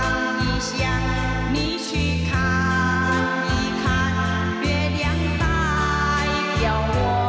คุณไปคิดคุณไปดูคุณไปดู